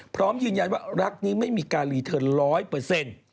พร้อมยืนยันว่ารักนี้ไม่มีการรีเทิร์น๑๐๐